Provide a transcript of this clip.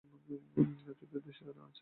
তোদের দেশে না আছে ভোগ, না আছে যোগ।